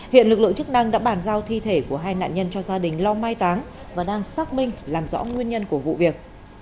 hiện lực lượng chức năng đã bàn giao thi thể của hai nạn nhân cho gia đình lo mai táng và đang xác minh làm rõ nguyên nhân của vụ việc